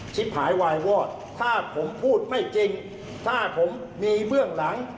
หายวายวอดถ้าผมพูดไม่จริงถ้าผมมีเบื้องหลัง